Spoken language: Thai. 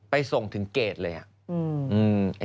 ส่งถึงเกรดเลยอ่ะ